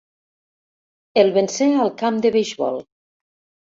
El vencé al camp de beisbol.